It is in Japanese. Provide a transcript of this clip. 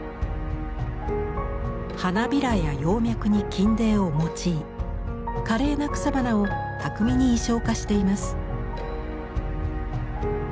花びらや葉脈に金泥を用い華麗な草花を巧みに意匠化しています。